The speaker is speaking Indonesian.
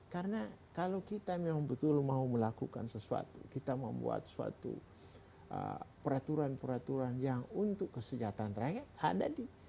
karena kalau kita memang betul mau melakukan sesuatu kita mau buat suatu peraturan peraturan yang untuk kesejahteraan rakyat ada di